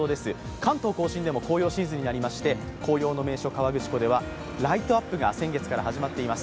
関東甲信でも紅葉シーズンになりまして紅葉の名所、河口湖ではライトアップが先月から始まっています。